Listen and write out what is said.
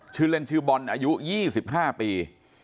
ชื่อเล่นชื่อบอลอายุ๒๕ปี